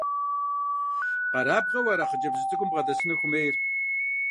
Къэрабгъэу ара хъыджэбзыжь цӀыкӀум бгъэдэсыну хуэмейр?